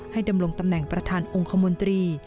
ดำรงตำแหน่งประธานองค์คมนตรี